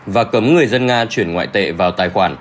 và cấm người dân nga chuyển ngoại tệ vào tài khoản